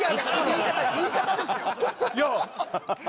言い方ですよ！